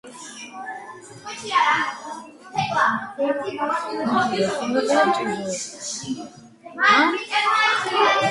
შემორჩენილია აბსიდის ქვაზე გამოკვეთილი წმინდანთა რელიეფური გამოსახულებები.